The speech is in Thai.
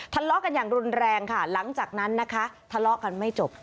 ทะเลาะกันอย่างรุนแรงค่ะหลังจากนั้นนะคะทะเลาะกันไม่จบ